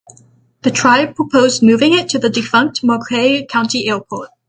The tribe proposed moving it to the defunct Marquette County Airport.